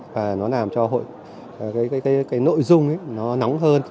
và nó làm cho cái nội dung ấy nó nóng hơn